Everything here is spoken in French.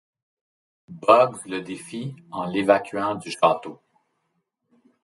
Bugs le défie en l'évacuant du château.